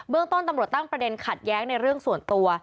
เรื่องต้นตำรวจตั้งประเด็นขัดแย้งในเรื่องส่วนตัว